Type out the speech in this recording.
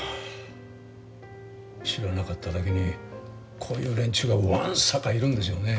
知らなかっただけにこういう連中がわんさかいるんですよね。